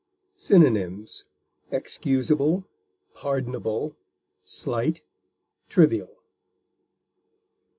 Synonyms: excusable, pardonable, slight, trivial.